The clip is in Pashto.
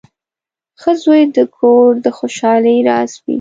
• ښه زوی د کور د خوشحالۍ راز وي.